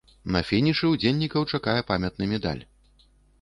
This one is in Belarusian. На фінішы ўдзельнікаў чакае памятны медаль.